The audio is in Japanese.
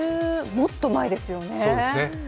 もっと前ですよね。